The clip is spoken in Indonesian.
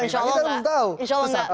insya allah enggak